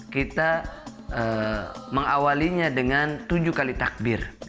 kita mengawalinya dengan tujuh kali takbir